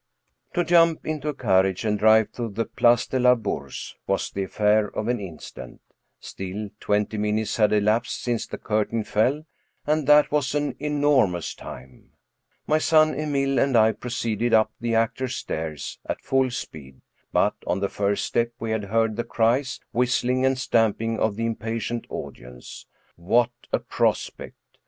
To jump into a carriage and drive to the Place de la Bourse was the affair of an instant ; still, twenty minutes had elapsed since the curtain fell, and that was an enormous time. My son Emile and I proceeded up the actors' stairs at full speed, but on the first step we had heard the cries, whistling, and stamping of the impatient audience. What a prospect !